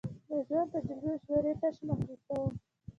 د ژوند تجربې او مشورې تشه محسوسوم.